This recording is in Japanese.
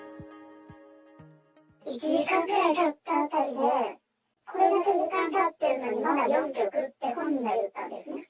１時間ぐらいたったあたりで、これだけ時間たってるのに、まだ４曲？って本人が言ったんですね。